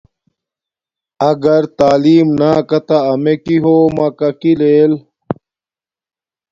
اگر تعلیم نا کاتہ امیے کی ہوم ماکا کی لیل